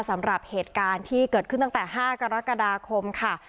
สำหรับเหตุการณ์ที่เกิดขึ้นตั้งแต่๕กรกฎาคมค่ะ